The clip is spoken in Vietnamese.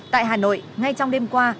tại hà nội ngay trong đêm qua